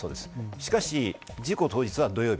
しかし事故当日は土曜日。